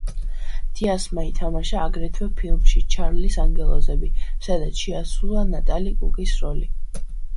დიასმა ითამაშა აგრეთვე ფილმში „ჩარლის ანგელოზები“, სადაც შეასრულა ნატალი კუკის როლი.